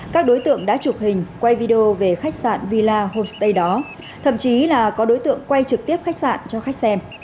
các đối tượng đã chụp hình quay video về khách sạn villa homestay đó thậm chí là có đối tượng quay trực tiếp khách sạn cho khách xem